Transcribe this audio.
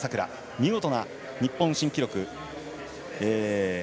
見事な日本新記録。